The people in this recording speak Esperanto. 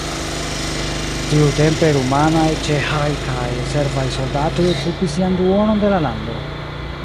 Tiutempe rumanaj, ĉeĥaj kaj serbaj soldatoj okupis jam duonon de la lando.